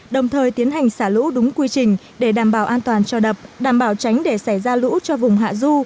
đồng thời tiến hành xả lũ đúng quy trình để đảm bảo an toàn cho đập đảm bảo tránh để xảy ra lũ cho vùng hạ du